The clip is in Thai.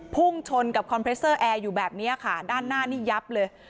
พุ่งชนกับคอนเรสเซอร์แอร์อยู่แบบนี้ค่ะด้านหน้านี่ยับเลย